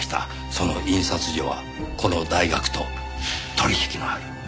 その印刷所はこの大学と取引のある印刷所でした。